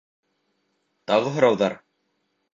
Тағы һорауҙар?